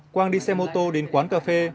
quang đi xe mô tô đến quán cà phê